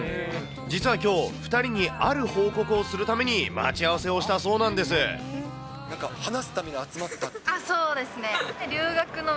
実はきょう、２人にある報告をするために待ち合わせをしたそうななんか、そうですね。